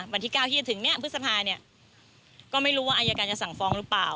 วันที่๙ที่จะถึงเนี่ยพฤษภาเนี่ยก็ไม่รู้ว่าอายการจะสั่งฟ้องหรือเปล่า